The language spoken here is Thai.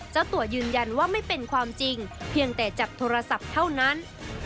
เจ้าตัวยืนยันว่าไม่เป็นความจริงเพียงแต่จับโทรศัพท์เท่านั้น